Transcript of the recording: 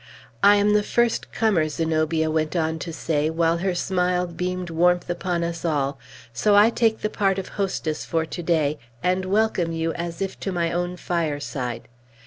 "I am the first comer," Zenobia went on to say, while her smile beamed warmth upon us all; "so I take the part of hostess for to day, and welcome you as if to my own fireside.